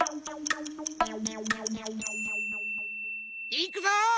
いくぞ。